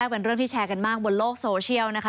เป็นเรื่องที่แชร์กันมากบนโลกโซเชียลนะคะ